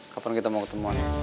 kapan kita mau ketemuan